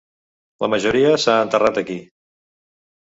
La majoria s'ha enterrat aquí.